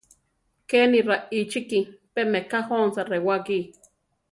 Kéni raíchiki; pé meká jónsa rewáki.